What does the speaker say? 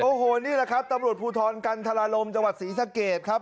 โอ้โหนี่แหละครับตำรวจภูทรกันธรารมจังหวัดศรีสะเกดครับ